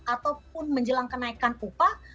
ataupun menjelang kenaikan upah